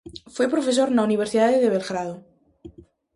Foi profesor na Universidade de Belgrado.